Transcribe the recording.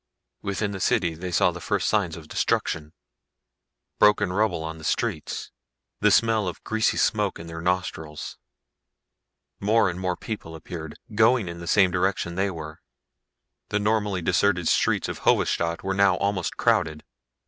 Within the city they saw the first signs of destruction. Broken rubble on the streets. The smell of greasy smoke in their nostrils. More and more people appeared, going in the same direction they were. The normally deserted streets of Hovedstad were now almost crowded.